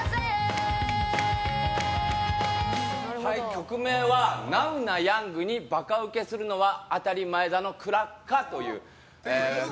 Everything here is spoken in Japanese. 曲名は「ナウなヤングにバカウケするのは当たり前だのクラッ歌」。